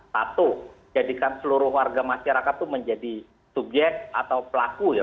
satu jadikan seluruh warga masyarakat itu menjadi subjek atau pelaku ya